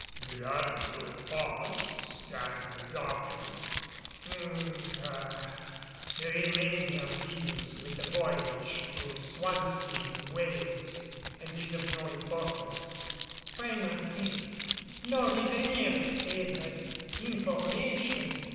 The Admiral paused, scanning the document. "Um ah. The remainder deals with the voyage to Swansea in Wales, and is of no importance." "By my faith! Nor is any of it, save as information.